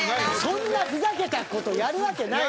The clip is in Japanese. そんなふざけた事やるわけないでしょ！